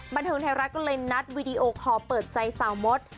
บันเทิงไทยรัฐก็เลยนัดวีดีโอคอลเปิดใจสาวมด